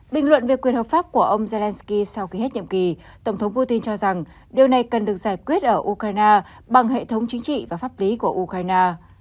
bình luận về quyền hợp pháp của ông zelensky sau khi hết nhiệm kỳ tổng thống putin cho rằng điều này cần được giải quyết ở ukraine bằng hệ thống chính trị và pháp lý của ukraine